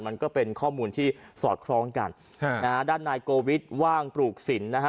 มันก็เป็นข้อมูลที่สอดคล้องกันฮะนะฮะด้านนายโกวิทว่างปลูกศิลป์นะฮะ